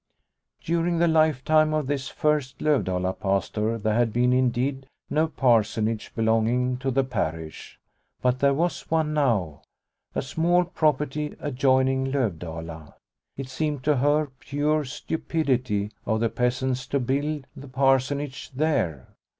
During the lifetime of this first Lovdala pastor there had been indeed no parsonage belonging to the parish, but there was one now, a small property adjoining Lovdala. It seemed to her pure stupidity of the peasants to build the Parsonage there.